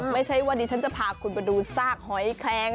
ไม่ใช่ว่าดิฉันจะพาคุณไปดูซากหอยแคลง